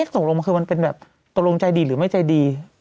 ตกลงมันคือมันเป็นแบบตกลงใจดีหรือไม่ใจดี